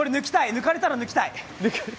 抜かれたら抜きたい！